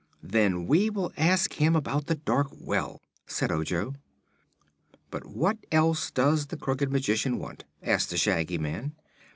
"Then we will ask him about the dark well," said Ojo. "But what else does this Crooked Magician want?" asked the Shaggy Man.